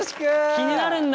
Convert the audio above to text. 気になるんだ？